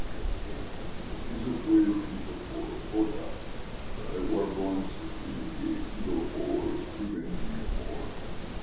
El episodio fue escrito por J. Stewart Burns y dirigido por Steven Dean Moore.